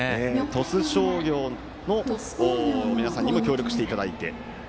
鳥栖商業の皆さんにも協力していただいて。